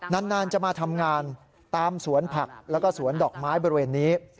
นานจะมาทำงานตามสวนผักแล้วก็สวนดอกไม้บริเวณนี้